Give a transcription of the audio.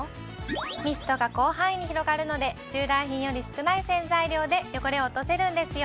ミストが広範囲に広がるので従来品より少ない洗剤量で汚れを落とせるんですよ。